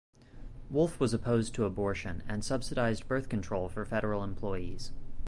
Wolf was opposed to abortion and subsidized birth control for federal employees.